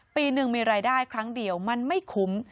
ปีหนึ่งมีรายได้ครั้งเดียวมันไม่คุ้ม